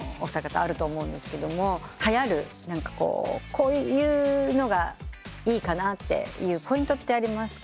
こういうのがいいかなっていうポイントってありますか？